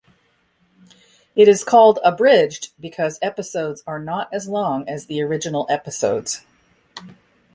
It is called "Abridged" because episodes are not as long as the original episodes.